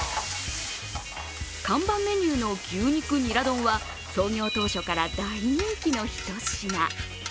看板メニューの牛肉ニラ丼は創業当初から大人気のひと品。